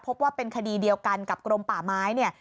พบว่าเป็นคดีเดียวกันกับกรมป่าไม้เนี่ย